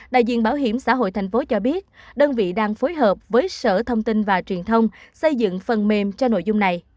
đại diện bảo hiểm xã hội tp hcm cho biết đơn vị đang phối hợp với sở thông tin và truyền thông xây dựng phần mềm cho nội dung này